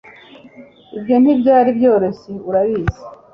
ibyo ntibyari byoroshye, urabizi